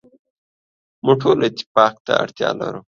موږ ټول اتفاق ته اړتیا لرو.